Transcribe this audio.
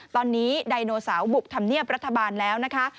ตอนนี้ไดโนเสาร์บุกธรรมเนียบรัฐบาลแล้วนะคะ